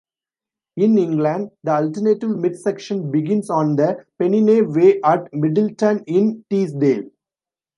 In England, the alternative midsection begins on the Pennine Way at Middleton-in-Teesdale.